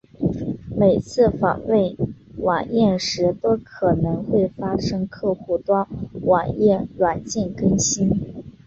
每次访问网页时都可能会发生客户端网页软件更新。